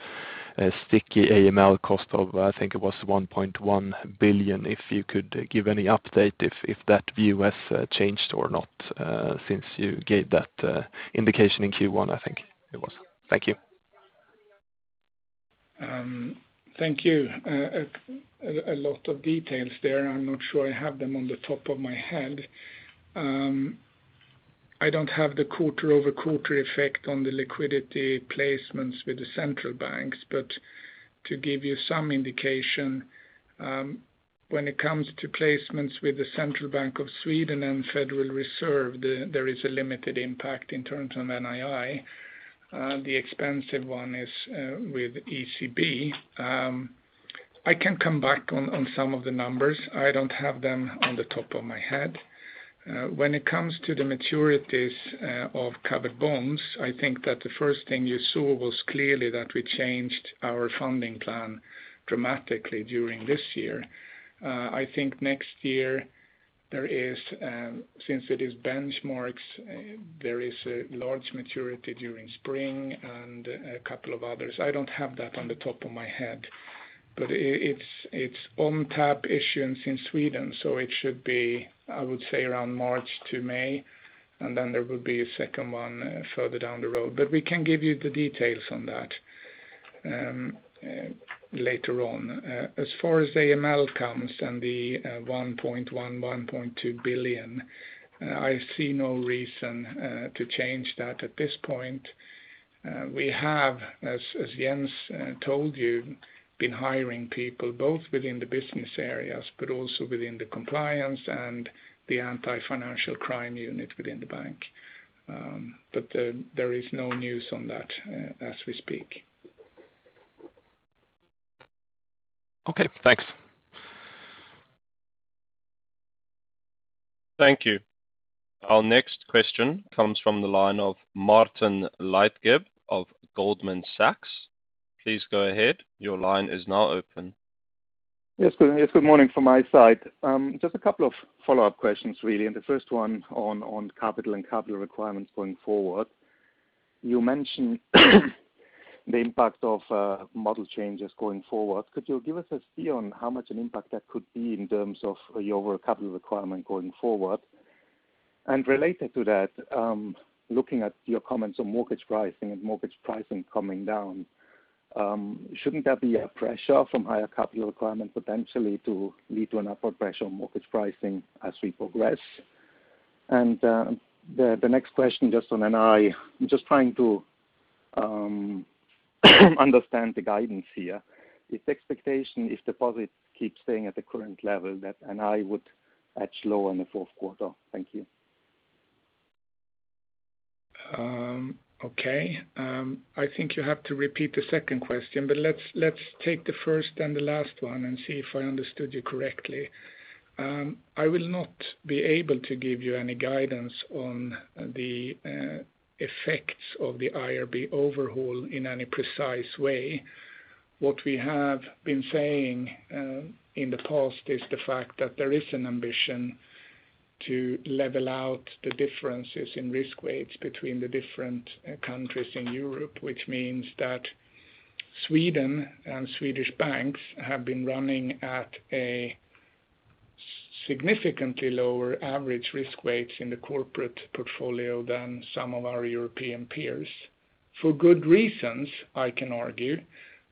sticky AML cost of, I think it was 1.1 billion. If you could give any update if that view has changed or not since you gave that indication in Q1, I think it was. Thank you. Thank you. A lot of details there. I am not sure I have them on the top of my head. I do not have the quarter-over-quarter effect on the liquidity placements with the central banks. To give you some indication, when it comes to placements with the Central Bank of Sweden and Federal Reserve, there is a limited impact in terms of NII. The expensive one is with ECB. I can come back on some of the numbers. I do not have them on the top of my head. When it comes to the maturities of covered bonds, I think that the first thing you saw was clearly that we changed our funding plan dramatically during this year. I think next year, since it is benchmarks, there is a large maturity during spring and a couple of others. I don't have that on the top of my head. It's on tap issuance in Sweden, so it should be, I would say, around March to May, and then there will be a second one further down the road. We can give you the details on that later on. As far as AML comes and the 1.1 billion, 1.2 billion, I see no reason to change that at this point. We have, as Jens told you, been hiring people both within the business areas but also within the compliance and the anti-financial crime unit within the bank. There is no news on that as we speak. Okay, thanks. Thank you. Our next question comes from the line of Martin Leitgeb of Goldman Sachs. Please go ahead. Yes, good morning from my side. A couple of follow-up questions, really. The first one on capital and capital requirements going forward. You mentioned the impact of model changes going forward. Could you give us a feel on how much an impact that could be in terms of your capital requirement going forward? Related to that, looking at your comments on mortgage pricing and mortgage pricing coming down, shouldn't there be a pressure from higher capital requirements potentially to lead to an upward pressure on mortgage pricing as we progress? The next question just on NII. I'm just trying to understand the guidance here. Is the expectation if deposits keep staying at the current level, that NII would edge lower in the fourth quarter? Thank you. Okay. I think you have to repeat the second question, but let's take the first and the last one and see if I understood you correctly. I will not be able to give you any guidance on the effects of the IRB overhaul in any precise way. What we have been saying in the past is the fact that there is an ambition to level out the differences in risk weights between the different countries in Europe, which means that Sweden and Swedish banks have been running at a significantly lower average risk weights in the corporate portfolio than some of our European peers. For good reasons, I can argue,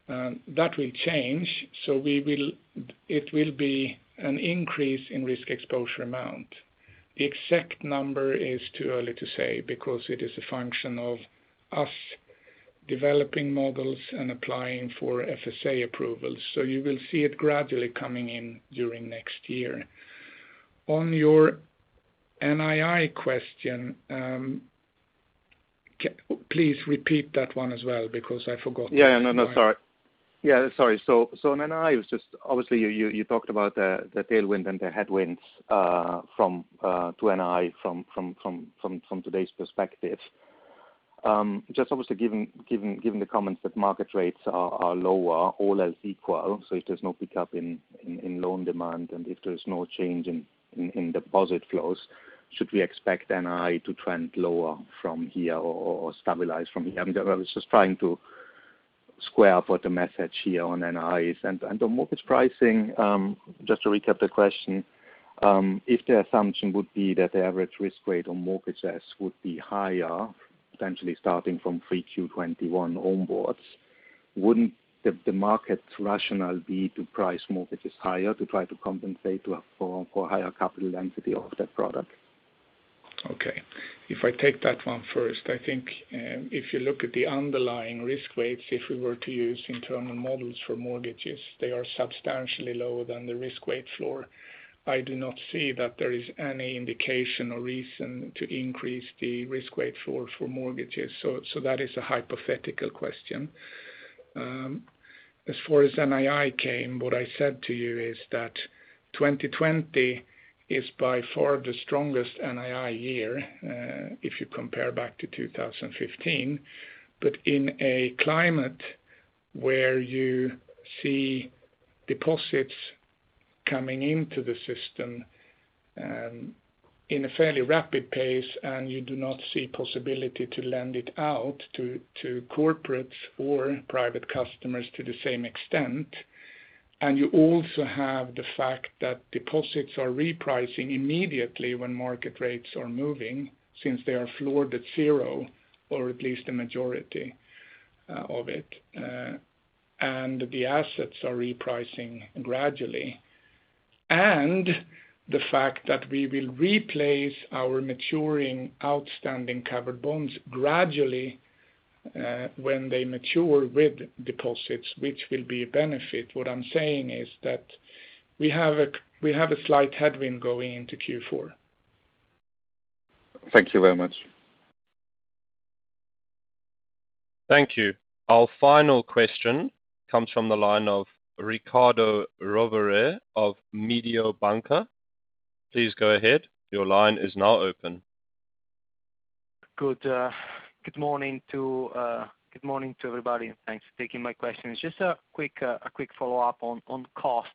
that will change. It will be an increase in risk exposure amount. The exact number is too early to say because it is a function of us developing models and applying for FSA approvals. You will see it gradually coming in during next year. On your NII question, please repeat that one as well, because I forgot. Yeah. No, sorry. On NII, obviously you talked about the tailwind and the headwinds to NII from today's perspective. Just obviously given the comments that market rates are lower, all else equal, so if there's no pickup in loan demand and if there is no change in deposit flows, should we expect NII to trend lower from here or stabilize from here? I was just trying to square up what the message here on NII is. On mortgage pricing, just to recap the question, if the assumption would be that the average risk weight on mortgages would be higher, potentially starting from 3Q 2021 onwards, wouldn't the market rationale be to price mortgages higher to try to compensate for higher capital density of that product? Okay. If I take that one first, I think if you look at the underlying risk weights, if we were to use internal models for mortgages, they are substantially lower than the risk weight floor. I do not see that there is any indication or reason to increase the risk weight floor for mortgages. That is a hypothetical question. As far as NII came, what I said to you is that 2020 is by far the strongest NII year, if you compare back to 2015. In a climate where you see deposits coming into the system in a fairly rapid pace, and you do not see possibility to lend it out to corporates or private customers to the same extent. You also have the fact that deposits are repricing immediately when market rates are moving, since they are floored at zero, or at least the majority of it, and the assets are repricing gradually. The fact that we will replace our maturing outstanding covered bonds gradually, when they mature with deposits, which will be a benefit. What I'm saying is that we have a slight headwind going into Q4. Thank you very much. Thank you. Our final question comes from the line of Riccardo Rovere of Mediobanca. Please go ahead. Your line is now open. Good morning to everybody. Thanks for taking my question. It's just a quick follow-up on costs.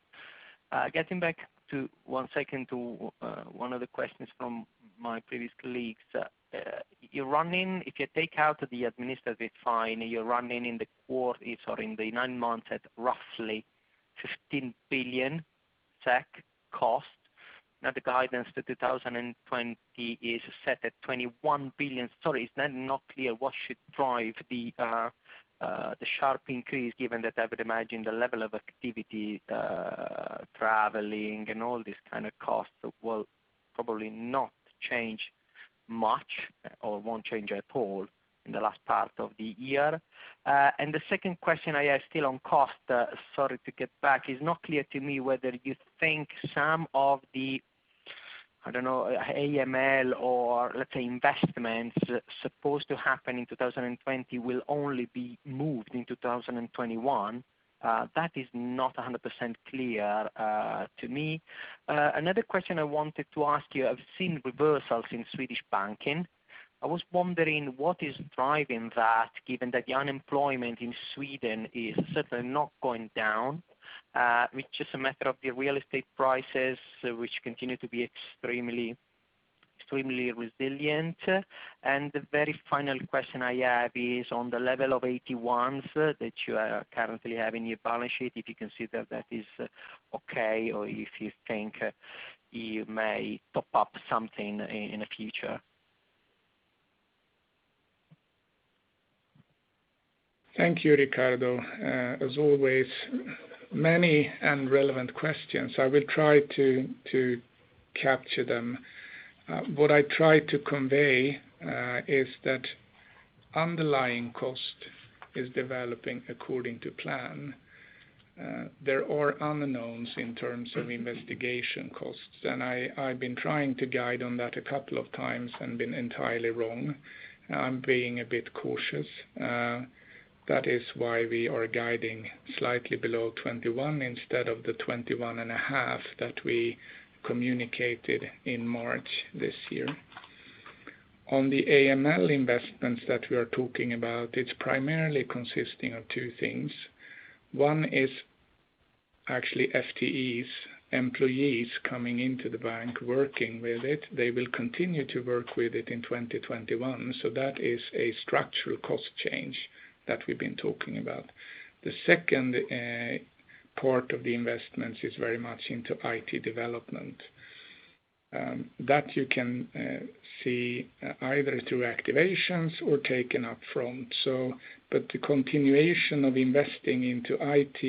Getting back for one second to one of the questions from my previous colleagues. If you take out the administrative fine, you're running in the nine months at roughly 15 billion SEK cost. The guidance to 2020 is set at 21 billion. Sorry, it's then not clear what should drive the sharp increase given that I would imagine the level of activity, traveling, and all these kind of costs will probably not change much or won't change at all in the last part of the year. The second question I have, still on costs, sorry to get back, it's not clear to me whether you think some of the, I don't know, AML or let's say investments supposed to happen in 2020 will only be moved in 2021. That is not 100% clear to me. Another question I wanted to ask you, I've seen reversals in Swedish banking. I was wondering what is driving that, given that the unemployment in Sweden is certainly not going down, which is a matter of the real estate prices, which continue to be extremely resilient. The very final question I have is on the level of AT1s that you currently have in your balance sheet, if you consider that is okay or if you think you may top up something in the future. Thank you, Riccardo. As always, many and relevant questions. I will try to capture them. What I tried to convey is that underlying cost is developing according to plan. There are unknowns in terms of investigation costs. I've been trying to guide on that a couple of times and been entirely wrong. I'm being a bit cautious. That is why we are guiding slightly below 21 instead of the 21.5 that we communicated in March this year. On the AML investments that we are talking about, it's primarily consisting of two things. One is actually FTEs, employees coming into the bank working with it. They will continue to work with it in 2021. That is a structural cost change that we've been talking about. The second part of the investments is very much into IT development. That you can see either through activations or taken up front. The continuation of investing into IT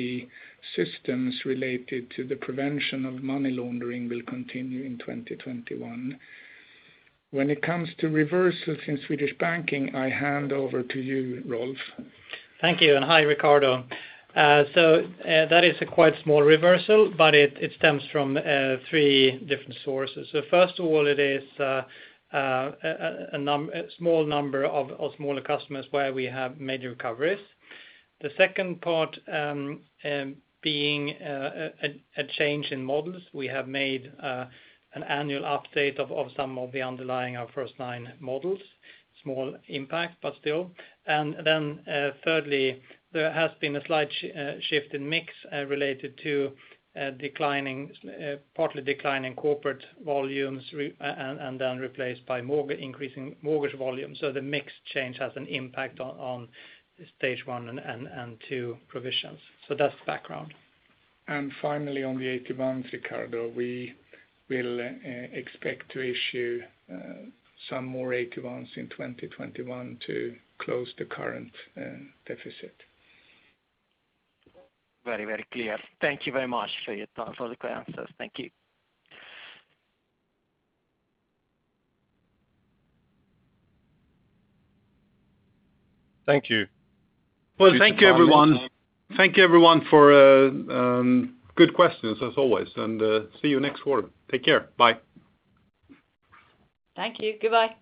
systems related to the prevention of money laundering will continue in 2021. When it comes to reversals in Swedish banking, I hand over to you, Rolf. Thank you, and hi, Riccardo. That is a quite small reversal, but it stems from three different sources. First of all, it is a small number of smaller customers where we have made recoveries. The second part being a change in models. We have made an annual update of some of the underlying our first line models. Small impact, but still. Thirdly, there has been a slight shift in mix related to partly declining corporate volumes and then replaced by increasing mortgage volumes. The mix change has an impact on Stage 1 and 2 provisions. That's background. Finally, on the AT1, Riccardo, we will expect to issue some more AT1s in 2021 to close the current deficit. Very clear. Thank you very much for the clear answers. Thank you. Thank you. Well, thank you, everyone. Thank you everyone for good questions as always, and see you next quarter. Take care. Bye. Thank you. Goodbye.